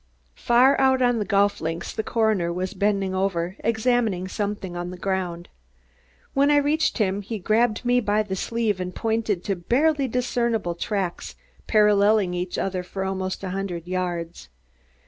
Far out on the golf links the coroner was bending over, examining something on the ground. When I reached him he grabbed me by the sleeve and pointed to two barely discernible tracks paralleling each other for almost a hundred yards.